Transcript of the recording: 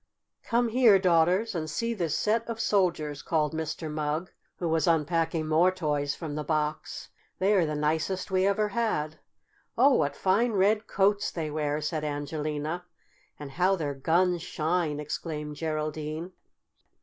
"Come here, Daughters, and see this set of Soldiers," called Mr. Mugg, who was unpacking more toys from the box. "They are the nicest we ever had." "Oh, what fine red coats they wear!" said Angelina. "And how their guns shine!" exclaimed Geraldine.